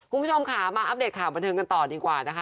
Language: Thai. คุณผู้ชมค่ะมาอัปเดตข่าวบันเทิงกันต่อดีกว่านะคะ